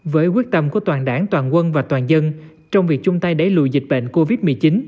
với quyết tâm của toàn đảng toàn quân và toàn dân trong việc chung tay đẩy lùi dịch bệnh covid một mươi chín